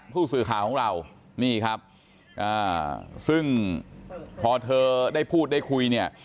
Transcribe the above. ผู้สื่อข่าวของเรานี่ครับซึ่งพอเธอได้พูดได้คุยเนี่ย